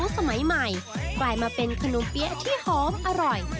สมัยใหม่กลายมาเป็นขนมเปี๊ยะที่หอมอร่อย